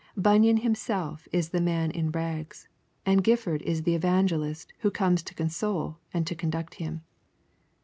Bunyan himself is the man in rags, and Gifford is the evangelist who comes to console and to conduct him.